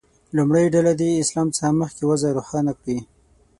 لومړۍ ډله دې د اسلام څخه مخکې وضع روښانه کړي.